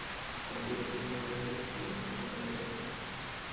তা পুরোপুরি হবার আগেই একটা ব্যবস্থা করা দরকার।